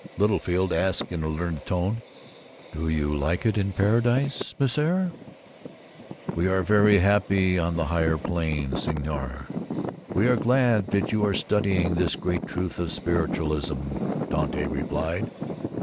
Littlefield asked, in a learned tone, "Do you like it in the Paradiso, Messire?" "We are very happy on the higher plane, Signor. We are glad that you are studying this great truth of spiritualism," Dante replied.